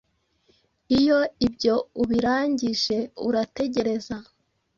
iyo ibyo ubirangije urategereza